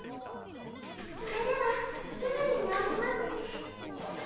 それではすぐに直しますね。